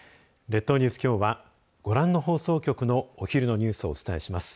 列島ニュース、きょうはご覧の放送局のお昼のニュースをお伝えします。